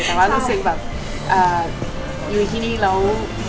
แต่ว่ารู้สึกแบบอยู่ที่นี่แล้ว